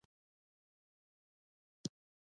خو یو جګړن راغی او ټول یې خاموشه کړل.